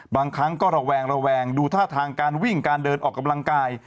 บางครั้งก็ระแวงระแวงดูท่าทางการวิ่งการเดินออกกำลังกาย